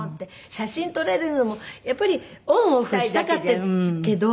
写真撮られるのもやっぱりオンオフしたかったけど。